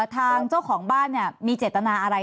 ทางเจ้าของบ้านมีเจตนาอะไร